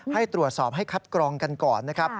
ให้ตรวจสอบให้คัดกรองกันก่อนนะครับ